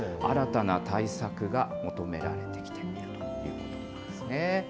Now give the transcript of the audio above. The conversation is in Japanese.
新たな対策が求められてきているということなんですね。